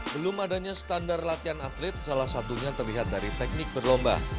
belum adanya standar latihan atlet salah satunya terlihat dari teknik berlomba